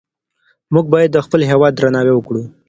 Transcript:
مونږ باید د خپل هیواد درناوی وکړو.